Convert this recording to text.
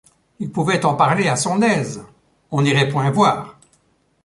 Il pouvait en parler à son aise! on n’irait point voir !